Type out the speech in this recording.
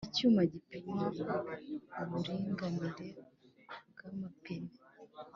Icyuma gipima uburinganire bw’amapine.